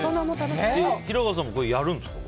平賀さんもこれ、やるんですか？